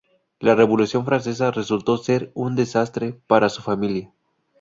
La Revolución francesa resultó ser un desastre para su familia.